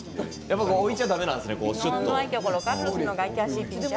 置いちゃだめなんですね？